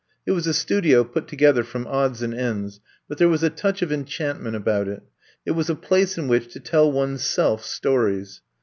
It was a studio put together from odds and ends, but there was a touch of enchantment about it. It was a place in which to tell one's self stories.